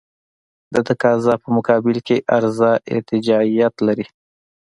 د تقاضا په مقابل کې عرضه ارتجاعیت لري.